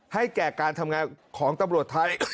ให้แก่การทำงานของตำรวจไทย